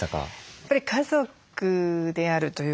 やっぱり家族であるということ。